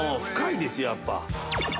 深いですやっぱ。